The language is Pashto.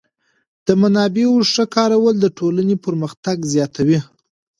د منابعو ښه کارول د ټولنې پرمختګ زیاتوي.